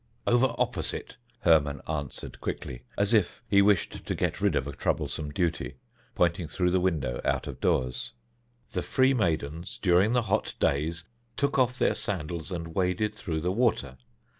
"Over opposite," Hermon answered quickly, as if he wished to get rid of a troublesome duty, pointing through the window out of doors, "the free maidens, during the hot days, took off their sandals and waded through the water.